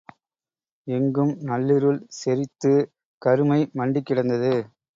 எங்கும் நள்ளிருள் செறித்து கருமை மண்டிக் கிடந்தது.